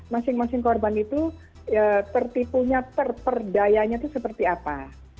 masing masing korban itu tertipunya terperdayanya itu seperti apa